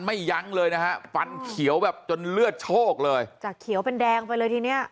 ยั้งเลยนะฮะฟันเขียวแบบจนเลือดโชคเลยจากเขียวเป็นแดงไปเลยทีเนี้ย